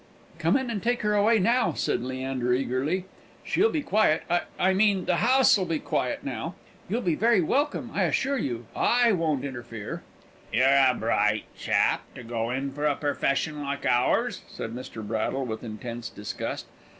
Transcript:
"Come in and take her away now," said Leander, eagerly. "She'll be quiet. I I mean the house'll be quiet now. You'll be very welcome, I assure you. I won't interfere." "You're a bright chap to go in for a purfession like ours," said Mr. Braddle, with intense disgust.